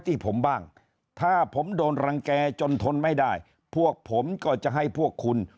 ที่ผมบ้างถ้าผมโดนรังแก่จนทนไม่ได้พวกผมก็จะให้พวกคุณ